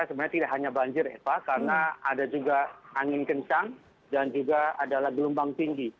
sebenarnya tidak hanya banjir epa karena ada juga angin kencang dan juga ada lagi lumbang tinggi